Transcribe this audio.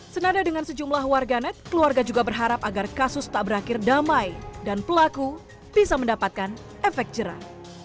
senada dengan sejumlah warganet keluarga juga berharap agar kasus tak berakhir damai dan pelaku bisa mendapatkan efek jerah